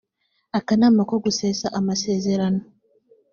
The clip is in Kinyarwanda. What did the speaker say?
akanama ko gusesa amasezerano